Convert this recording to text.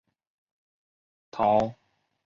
桃榄为山榄科桃榄属下的一个种。